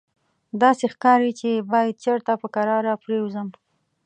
داسې ښکاري چې باید چېرته په کراره پرېوځم.